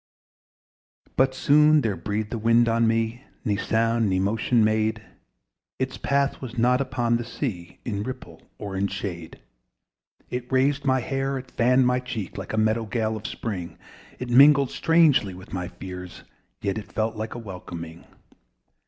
But soon there breathed a wind on me, Nor sound nor motion made: Its path was not upon the sea, In ripple or in shade. It raised my hair, it fanned my cheek Like a meadow gale of spring It mingled strangely with my fears, Yet it felt like a welcoming.